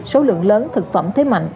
số lượng lớn thực phẩm thế mạnh